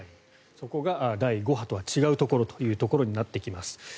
そこが第５波とは違うところになってきます。